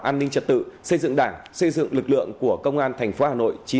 an ninh trật tự xây dựng đảng xây dựng lực lượng của công an tp hà nội